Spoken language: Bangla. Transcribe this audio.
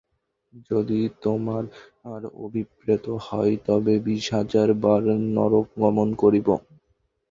যদি তোমার অভিপ্রেত হয়, তবে বিশ হাজার বার নরক গমন করিব।